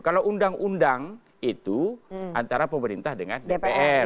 kalau undang undang itu antara pemerintah dengan dpr